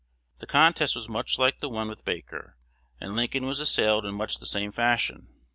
The contest was much like the one with Baker, and Lincoln was assailed in much the same fashion.